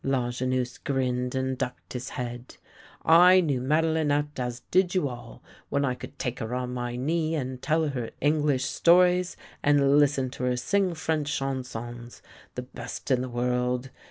Lajeunesse grinned and ducked his head. " I knew MadeHnette as did you all when I could take her on my knee and tell her Eng lish stories and listen to her sing French chansons — the best in the world.